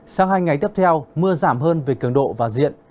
sau hai ngày tiếp theo mưa giảm hơn về cường độ và diện